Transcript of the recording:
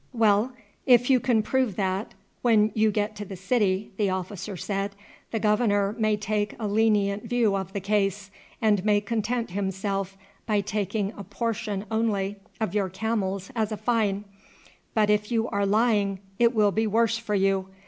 "Well, if you can prove that when you get to the city," the officer said, "the governor may take a lenient view of the case, and may content himself by taking a portion only of your camels as a fine; but if you are lying it will be worse for you.